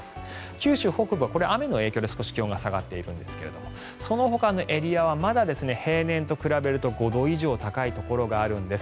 九州北部は雨の影響で気温が下がっていますがそのほかのエリアはまだ平年と比べると５度以上高いところがあるんです。